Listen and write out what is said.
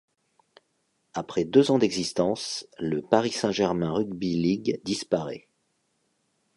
Après deux ans d'existence, le Paris Saint-Germain Rugby League disparait.